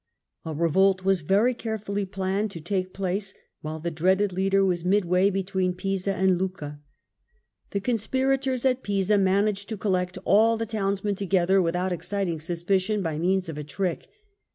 A revolt was very carefullj'^ planned to take place while the dreaded leader was midway between Pisa and Lucca. The conspirators at Pisa managed to collect all the townsmen together without exciting sus picion by means of a trick.